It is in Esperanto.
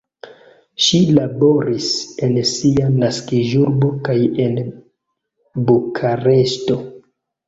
Ŝi laboris en sia naskiĝurbo kaj en Bukareŝto.